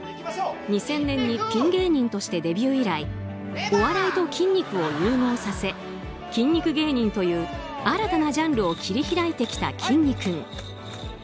２０００年にピン芸としてデビュー以来お笑いと筋肉を融合させ筋肉芸人という新たなジャンルを切り開いてきたきんに君。